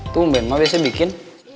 tumben ma biasanya bikin